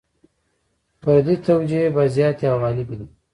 فردي توجیې زیاتې او غالبې دي.